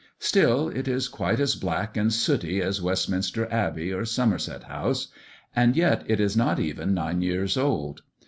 Still, it is quite as black and sooty as Westminster Abbey, or Somerset House; and yet it is not even nine years old.